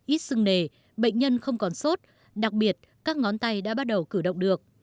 ít sưng nề bệnh nhân không còn sốt đặc biệt các ngón tay đã bắt đầu cử động được